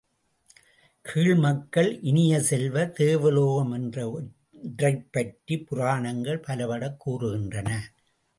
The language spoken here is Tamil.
கீழ்மக்கள் இனிய செல்வ, தேவலோகம் என்ற ஒன்றைப்பற்றிப் புராணங்கள் பலபடக் கூறுகின்றன.